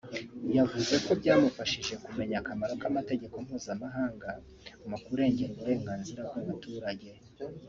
yavuze ko byamufashije kumenya akamaro k’amategeko mpuzamahanga mu kurengera uburenganzira bw’abaturage